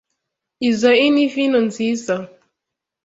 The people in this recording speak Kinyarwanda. Izoi ni vino nziza.